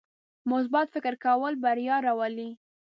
مثبت فکر کول بریا راولي.